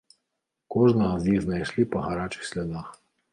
Кожнага з іх знайшлі па гарачых слядах.